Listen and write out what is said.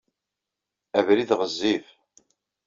Abrid ɣezzif.